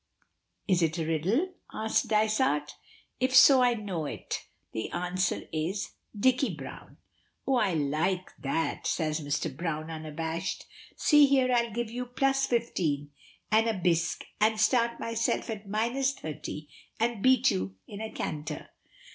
"Is it a riddle?" asks Dysart. "If so I know it. The answer is Dicky Browne." "Oh, I like that!" says Mr. Browne unabashed. "See here, I'll give you plus fifteen, and a bisque, and start myself at minus thirty, and beat you in a canter."